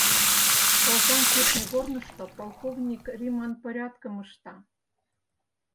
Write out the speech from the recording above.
Озаҥ кӱртньыгорнышто полковник Риман порядкым ышта.